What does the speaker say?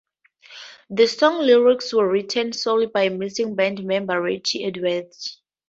The song's lyrics were written solely by missing band-member Richey Edwards.